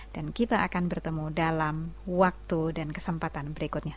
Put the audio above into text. dan kita akan bertemu dalam waktu dan kesempatan berikutnya